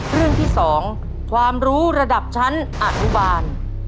เรื่องที่๒ความรู้ระดับชั้นอนุบาล